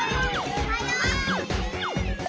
・おはよう！